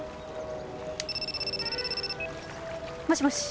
もしもし。